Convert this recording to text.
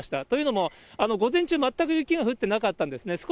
というのも、午前中、全く雪が降ってなかったんですね。